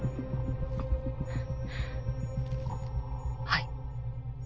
はい。